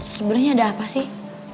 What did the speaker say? sebenernya ada apa sih